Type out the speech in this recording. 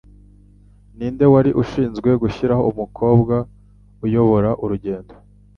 Ninde Wari Ushinzwe Gushiraho Umukobwa Uyobora Urugendo